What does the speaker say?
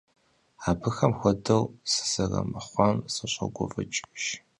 Абыхэм хуэдэ сызэрымыхъуам сыщогуфӀыкӀыж.